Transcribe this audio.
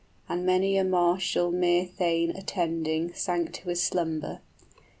} And many a martial mere thane attending 30 Sank to his slumber.